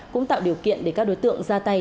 cũng tạo điều kiện để các đối tượng ra tay